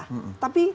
tapi seorang pemimpin